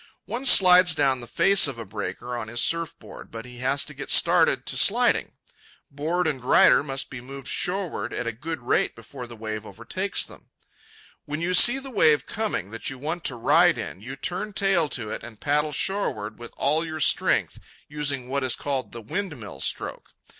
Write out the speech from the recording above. One slides down the face of a breaker on his surf board, but he has to get started to sliding. Board and rider must be moving shoreward at a good rate before the wave overtakes them. When you see the wave coming that you want to ride in, you turn tail to it and paddle shoreward with all your strength, using what is called the windmill stroke.